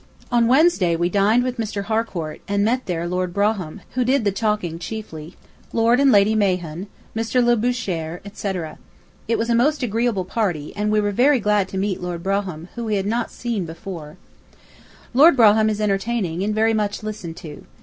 ... On Wednesday we dined with Mr. Harcourt, and met there Lord Brougham, who did the talking chiefly, Lord and Lady Mahon, Mr. Labouchere, etc. It was a most agreeable party, and we were very glad to meet Lord Brougham, whom we had not before seen. Lord Brougham is entertaining, and very much listened to.